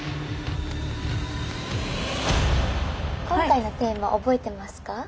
今回のテーマ覚えてますか？